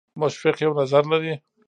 مشفق یو نظر لري.